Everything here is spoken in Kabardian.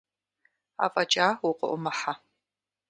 Афӏэкӏа укъыӏумыхьэ.